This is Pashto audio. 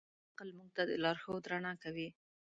عقل موږ ته د لارښود رڼا راکوي.